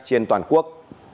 trên toàn quốc